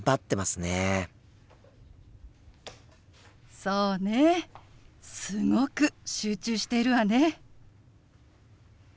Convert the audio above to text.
すごく集中しているわね。